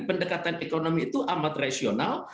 pendekatan ekonomi itu amat rasional